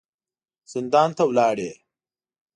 زندان ته ولاړې.